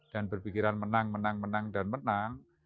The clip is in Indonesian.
dan berpikiran menang menang menang dan menang